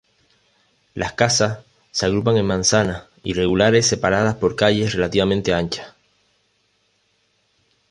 Las casas se agrupan en manzanas irregulares separadas por calles relativamente anchas.